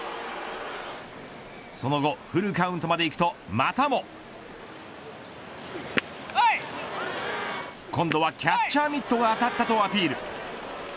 その後フルカウントまでいくとまたも。今度はキャッチャーミットが当たったとアピール。